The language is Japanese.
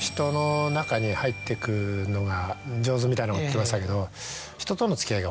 みたいなこと言ってましたけど。